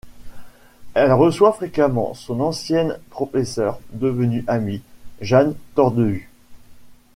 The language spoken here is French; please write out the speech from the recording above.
Elle reçoit fréquemment son ancienne professeure devenue amie, Jeanne Tordeus.